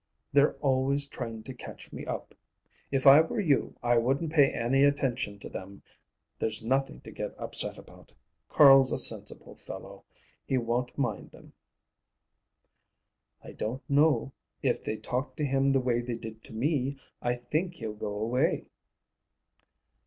They're always trying to catch me up. If I were you, I wouldn't pay any attention to them. There's nothing to get upset about. Carl's a sensible fellow. He won't mind them." "I don't know. If they talk to him the way they did to me, I think he'll go away."